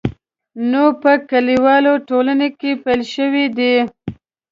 نو په لیکوالو ټولنه کې پیل شوی دی.